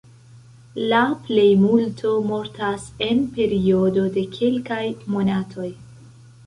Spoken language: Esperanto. La plejmulto mortas en periodo de kelkaj monatoj.